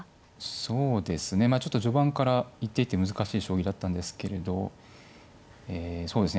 そうですねちょっと序盤から一手一手難しい将棋だったんですけれどえそうですね